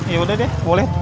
yaudah deh boleh